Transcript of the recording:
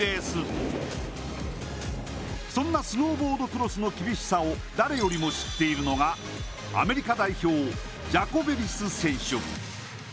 そんなスノーボードクロスの厳しさを誰よりも知っているのがアメリカ代表ジャコベリス選手。